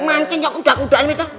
mancing kuda kudaan itu